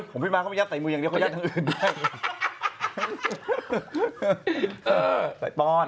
ผมพี่ม้าเขาไปยัดใส่มืออย่างเดียวเขายัดทางอื่นได้